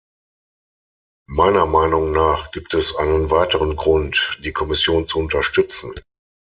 Meiner Meinung nach gibt es einen weiteren Grund, die Kommission zu unterstützten.